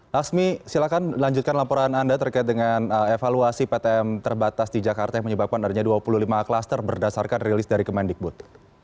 laksmi silakan lanjutkan laporan anda terkait dengan evaluasi ptm terbatas di jakarta yang menyebabkan adanya dua puluh lima klaster berdasarkan rilis dari kemendikbud